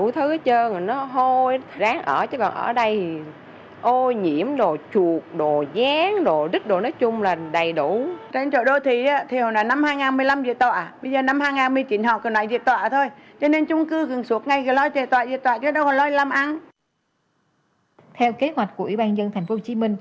theo kế hoạch của ubnd tp hcm